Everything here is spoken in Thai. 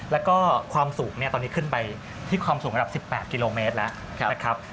แล้วก็ความสูงเนี่ยตอนนี้ขึ้นไปที่ความสูงระดับ๑๘กิโลเมตรแล้วนะครับ